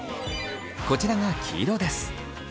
こちらが黄色です。